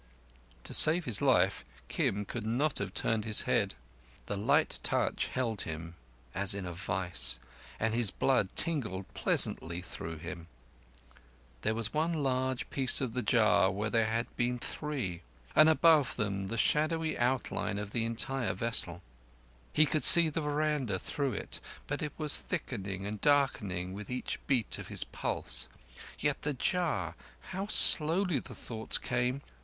To save his life, Kim could not have turned his head. The light touch held him as in a vice, and his blood tingled pleasantly through him. There was one large piece of the jar where there had been three, and above them the shadowy outline of the entire vessel. He could see the veranda through it, but it was thickening and darkening with each beat of his pulse. Yet the jar—how slowly the thoughts came!